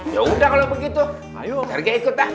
ya udah kalau begitu ayo ikut